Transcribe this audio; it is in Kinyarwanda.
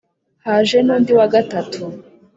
Haje n undi wa gatatu